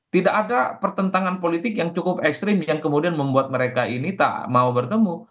tidak ada pertentangan politik yang cukup ekstrim yang kemudian membuat mereka ini tak mau bertemu